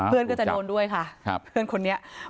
เพื่อนก็จะโดนด้วยค่ะเพื่อนคนนี้